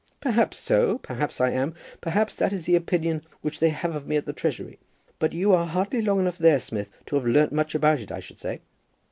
"Perhaps so; perhaps I am; perhaps that is the opinion which they have of me at the Treasury. But you were hardly long enough there, Smith, to have learned much about it, I should say."